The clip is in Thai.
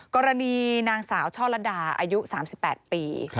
กรณีนางสาวช่อลัดดาอายุ๓๘ปี